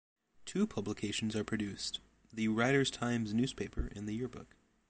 Two publications are produced: the "Riders Times" newspaper and the yearbook.